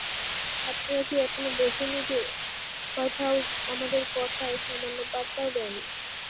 আপনারা কি এখনও বোঝেননি যে হোয়াইট হাউস আমাদের কথায় সামান্য পাত্তাও দেয়নি?